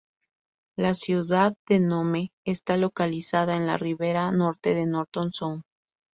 La ciudad de Nome está localizada en la ribera norte de Norton Sound.